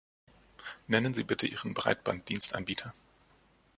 Nennen Sie bitte Ihren Breitbanddienstanbieter.